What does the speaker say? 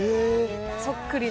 そっくりの。